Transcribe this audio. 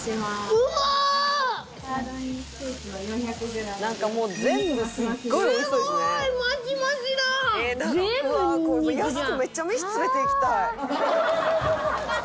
「うわあやす子めっちゃ飯連れていきたい」